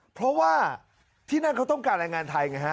เพราะว่าที่นั่นเขาต้องการแรงงานไทยไงฮะ